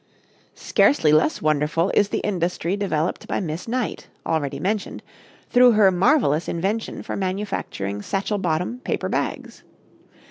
Scarcely less wonderful is the industry developed by Miss Knight, already mentioned, through her marvelous invention for manufacturing satchel bottom paper bags.